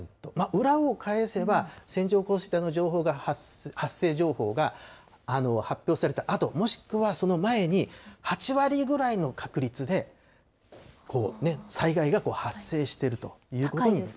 裏を返せば、線状降水帯の発生情報が発表されたあと、もしくはその前に、８割ぐらいの確率で災害が発生しているということに。